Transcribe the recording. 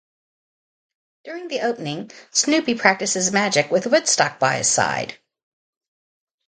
During the opening, Snoopy practices magic with Woodstock by his side.